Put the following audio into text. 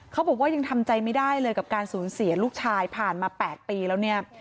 เขาบอกว่ายังทำใจไม่ได้เลยกับการสูญเสียลูกชายผ่านมา๘ปีแล้วเนี่ย